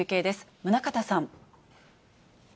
宗像さん。